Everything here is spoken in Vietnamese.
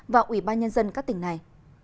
và ủy ban nhân dân các tỉnh này